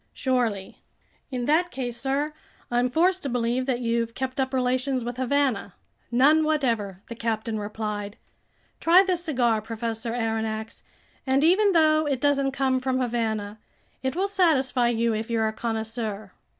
"Surely." "In that case, sir, I'm forced to believe that you've kept up relations with Havana." "None whatever," the captain replied. "Try this cigar, Professor Aronnax, and even though it doesn't come from Havana, it will satisfy you if you're a connoisseur."